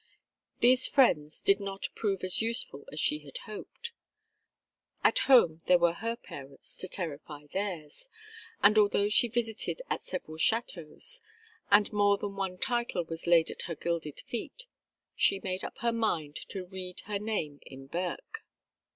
These friends did not prove as useful as she had hoped. At home there were her parents to terrify theirs, and although she visited at several châteaux, and more than one title was laid at her gilded feet, she made up her mind to read her name in Burke.